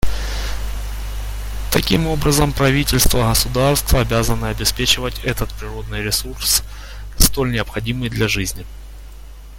Таким образом, правительства государств обязаны обеспечивать этот природный ресурс, столь необходимый для жизни.